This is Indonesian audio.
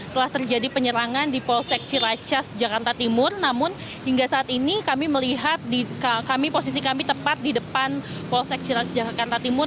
telah terjadi penyerangan di polsek ciracas jakarta timur namun hingga saat ini kami melihat di kami posisi kami tepat di depan polsek ciraca jakarta timur